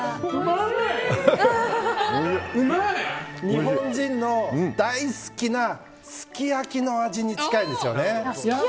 日本人の大好きなすき焼きの味に近いですよね。